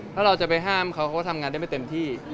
ถ้าเราจะไปห้ามเขาก็ทำงานได้ไม่เต็มที่